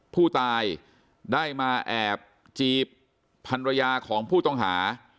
ผู้ตายได้มาแอบจีบพันรยาของผู้ต้องหา